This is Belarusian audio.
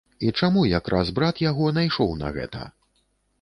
І чаму якраз брат яго найшоў на гэта?